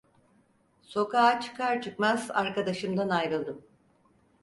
Sokağa çıkar çıkmaz arkadaşımdan ayrıldım.